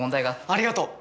ありがとう！